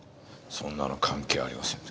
「そんなの関係ありません。